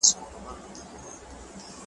په کتاب کي څه راغلي راته وایه ملاجانه `